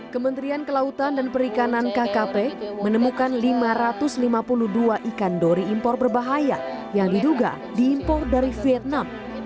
kementerian kelautan dan perikanan kkp menemukan lima ratus lima puluh dua ikan dori impor berbahaya yang diduga diimpor dari vietnam